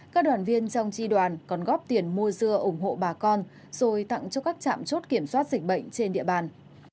các đoàn viên trong tri đoàn còn góp tiền mua dưa ủng hộ bà con rồi tặng cho các trạm chốt kiểm soát dịch bệnh trên địa bàn